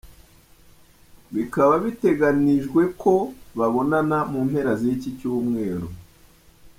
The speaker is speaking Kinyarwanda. Bikaba biteganijwe ko babonana mu mpera z’iki cyumweru.